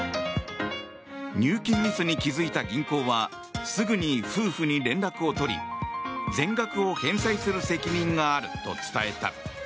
入金ミスに気付いた銀行はすぐに夫婦に連絡を取り全額を返済する責任があると伝えた。